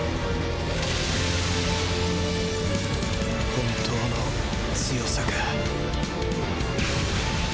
本当の強さか